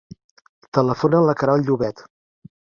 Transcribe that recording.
Telefona a la Queralt Llobet.